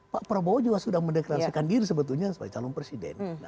pak prabowo juga sudah mendeklarasikan diri sebetulnya sebagai calon presiden